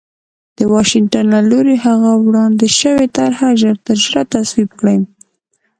د واشنګټن له لوري هغه وړاندې شوې طرح ژرترژره تصویب کړي